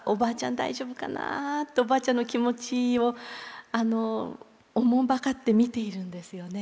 大丈夫かなとおばあちゃんの気持ちをおもんぱかって見ているんですよね。